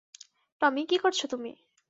টমি, কি করছ তুমি?